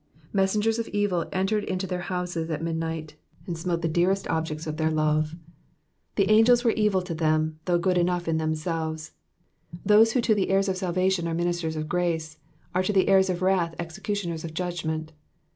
'''* Messengers of evil entered their houses at midnight, and smote the dearest objects of their love. The angels were evil to them, though good enough in themselves ; those who to the heirs of salvation are ministeisof grace, are to the heirs of wrath executioners of judgment.